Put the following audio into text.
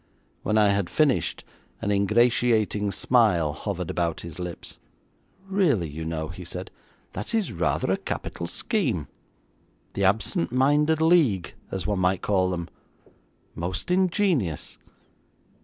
When I had finished, an ingratiating smile hovered about his lips. 'Really, you know,' he said, 'that is rather a capital scheme. The absent minded league, as one might call them. Most ingenious.